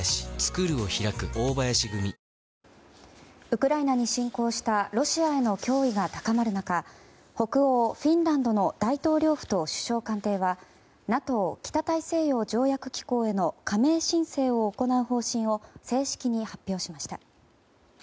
ウクライナに侵攻したロシアへの脅威が高まる中北欧フィンランドの大統領府と首相官邸はＮＡＴＯ・北大西洋条約機構への加盟申請を行う方針を正式に発表しました。